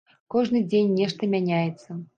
Кожны дзень нешта мяняецца.